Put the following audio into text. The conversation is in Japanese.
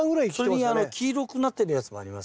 それに黄色くなってるやつもありますよ。